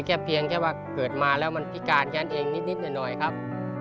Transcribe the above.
เพียงแค่ว่าเกิดมาแล้วมันพิการแค่นั้นเองนิดหน่อยครับ